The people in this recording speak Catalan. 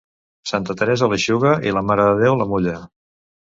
Santa Teresa l'eixuga i la Mare de Déu la mulla.